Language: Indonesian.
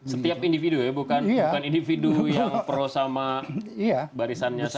setiap individu ya bukan individu yang pro sama barisannya sama